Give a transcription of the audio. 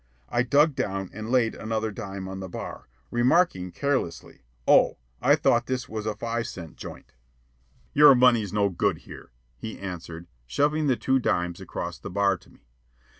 I dug down and laid another dime on the bar, remarking carelessly, "Oh, I thought this was a five cent joint." "Your money's no good here," he answered, shoving the two dimes across the bar to me.